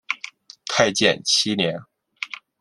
太建七年。